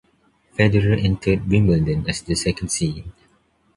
Federer entered Wimbledon as the second seed.